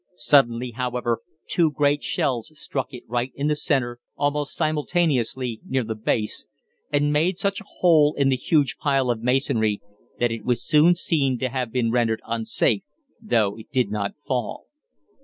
Suddenly, however, two great shells struck it right in the centre, almost simultaneously, near the base, and made such a hole in the huge pile of masonry that it was soon seen to have been rendered unsafe, though it did not fall.